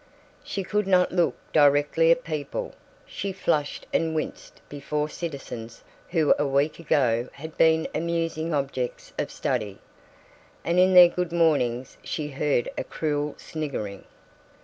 She could not look directly at people. She flushed and winced before citizens who a week ago had been amusing objects of study, and in their good mornings she heard a cruel sniggering.